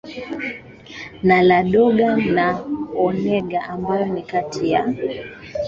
na Ladoga na Onega ambayo ni kati ya